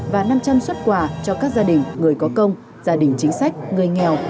và năm trăm linh xuất quà cho các gia đình người có công gia đình chính sách người nghèo